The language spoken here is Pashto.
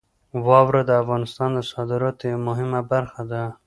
واوره د افغانستان د صادراتو یوه مهمه برخه ده.